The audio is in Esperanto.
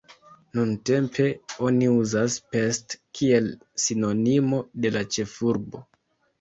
Nuntempe oni uzas "Pest", kiel sinonimo de la ĉefurbo.